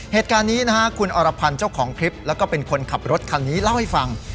เหตุการณ์นี้นะฮะคุณอรพันธ์เจ้าของคลิปแล้วก็เป็นคนขับรถคันนี้เล่าให้ฟัง